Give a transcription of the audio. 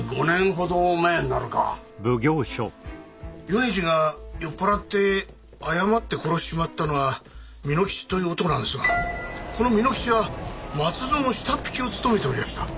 米次が酔っ払って誤って殺しちまったのは蓑吉という男なんですがこの蓑吉は松蔵の下っ引きを務めておりやした。